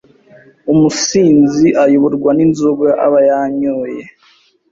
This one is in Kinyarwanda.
Umusinzi ayoborwa n'inzoga aba yanyoye.